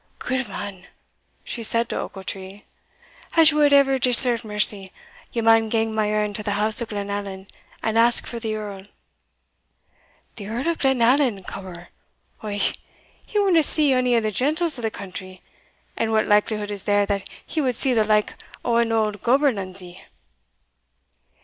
"Gudeman," she said to Ochiltree, "as ye wad e'er deserve mercy, ye maun gang my errand to the house of Glenallan, and ask for the Earl." "The Earl of Glenallan, cummer! ou, he winna see ony o' the gentles o' the country, and what likelihood is there that he wad see the like o' an auld gaberlunzie?"